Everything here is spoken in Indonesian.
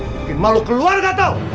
bikin malu keluarga tau